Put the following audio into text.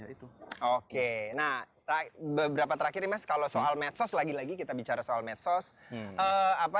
itu oke nah tak beberapa terakhir meskalo soal medsos lagi lagi kita bicara soal medsos apa